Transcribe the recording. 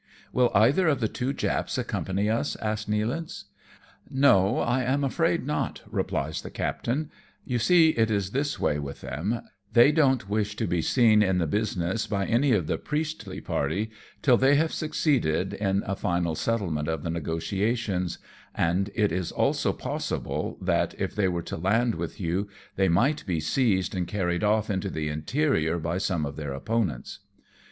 " Will either of the two Japs accompany us ?" asks Nealance. "No, I am afraid not," replies the captain; "you see it is this way with them, they don't wish to be seen in the business by any of the priestly party, till they have succeeded in a final settlement of the negotiations, and it is also possible, that, if they were to land with 262 AMONG TYPHOONS AND PIRATE CRAFT. you, they might be seized and carried off into the interior by some of their opponents."